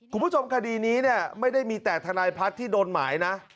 คุณผู้ชมคดีนี้เนี่ยไม่ได้มีแต่ทนายพัฒน์ที่โดนหมายนะ